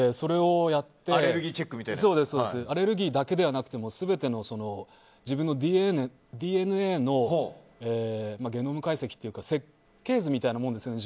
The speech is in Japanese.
アレルギーチェックアレルギーだけではなくて全ての自分のＤＮＡのゲノム解析というか設計図みたいなものですよね